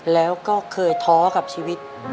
แล้วก็เคยท้อกับชีวิต